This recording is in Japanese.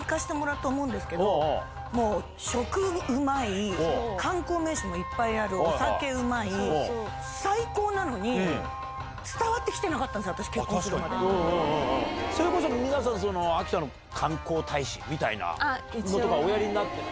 観光に行かせてもらって思うんですけど、もう、食うまい、観光名所もいっぱいある、お酒うまい、最高なのに、伝わってきてなかったんですよ、私、結婚するそれこそ皆さん、秋田の観光大使みたいなのをおやりになってる？